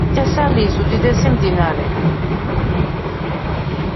თესალიის უდიდესი მდინარე.